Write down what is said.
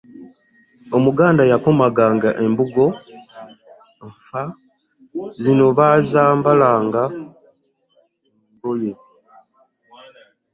omuganda yakomaganga embugo nfa zino bbazambala nga ngoye